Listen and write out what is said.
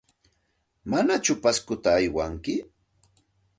¿Manaku Pascota aywanki?